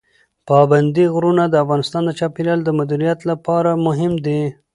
پابندی غرونه د افغانستان د چاپیریال د مدیریت لپاره مهم دي.